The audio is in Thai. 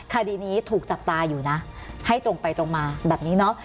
คดีนี้ถูกจับตาอยู่นะให้ตรงไปตรงมาแบบนี้เนาะ